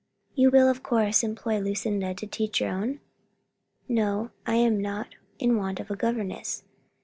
"You will of course employ Lucinda to teach your own?" "No, I am not in want of a governess.